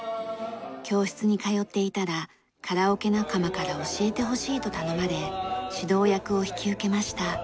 教室に通っていたらカラオケ仲間から教えてほしいと頼まれ指導役を引き受けました。